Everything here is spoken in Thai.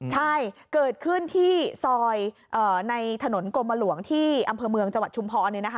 ใช่เกิดขึ้นที่ซอยในถนนกรมหลวงที่อำเภอเมืองจังหวัดชุมพร